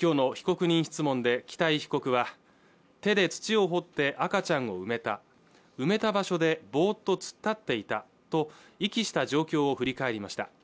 今日の被告人質問で北井被告は手で土を掘って赤ちゃんを埋めた埋めた場所でぼーっと突っ立っていたと遺棄した状況を振り返りました